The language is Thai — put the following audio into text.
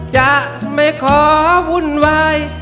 จะไม่ขอวุ่นวาย